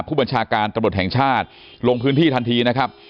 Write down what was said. ผู้บัญชาการตำรวจแห่งชาติลงพื้นที่ทันทีนะครับ